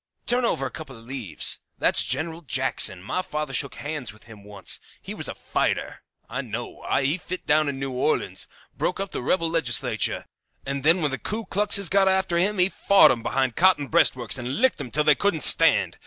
"Turn over a couple of leaves. That's General Jackson. My father shook hands with him once. He was a fighter, I know. He fit down in New Orleans. Broke up the rebel legislature, and then when the Ku Kluxes got after him he fought 'em behind cotton breastworks and licked 'em till they couldn't stand.